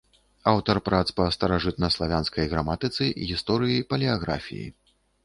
Аўтар прац па старажытнаславянскай граматыцы, гісторыі, палеаграфіі.